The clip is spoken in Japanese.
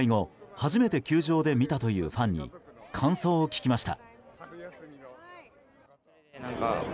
初めて球場で見たというファンに感想を聞きました。